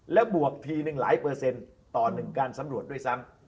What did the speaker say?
แล้วบวกทีหนึ่งหลายเปอร์เซ็นต์ต่อ๑การสำรวจด้วยซ้ำ